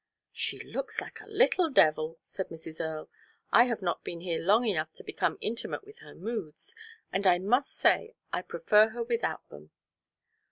"She looks like a little devil," said Mrs. Earle. "I have not been here long enough to become intimate with her moods, and I must say I prefer her without them.